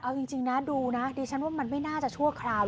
เอาจริงนะดูนะดิฉันว่ามันไม่น่าจะชั่วคราว